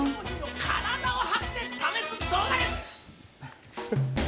体を張って試す動画です。